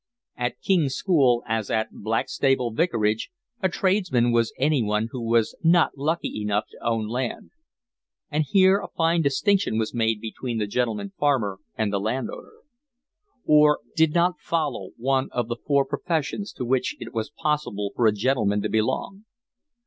At King's School, as at Blackstable Vicarage, a tradesman was anyone who was not lucky enough to own land (and here a fine distinction was made between the gentleman farmer and the landowner), or did not follow one of the four professions to which it was possible for a gentleman to belong.